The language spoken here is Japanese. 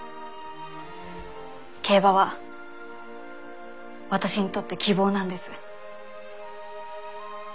競馬は私にとって希望なんです。